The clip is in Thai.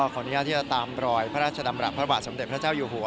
ขออนุญาตที่จะตามรอยพระราชดำรับพระบาทสมเด็จพระเจ้าอยู่หัว